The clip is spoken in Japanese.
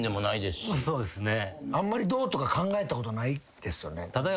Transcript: あんまりどうとか考えたことないですよね。